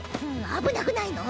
あぶなくないの？